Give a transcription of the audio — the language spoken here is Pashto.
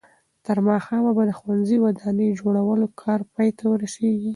تر ماښامه به د ښوونځي د ودانۍ جوړولو کار پای ته ورسېږي.